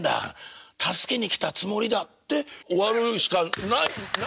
助けに来たつもりだ」って終わるしかないんですよ。